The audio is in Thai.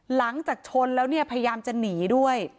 หลังจากชนแล้วเนี่ยพยายามจะหนีด้วย